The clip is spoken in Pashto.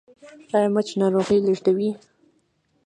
ایا مچ ناروغي لیږدوي؟